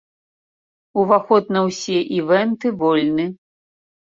Уваход на ўсе івэнты вольны.